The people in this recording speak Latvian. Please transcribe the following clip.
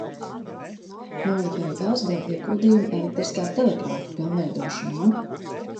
Mūža beigās deva ieguldījumu elektriskā telegrāfa pilnveidošanā.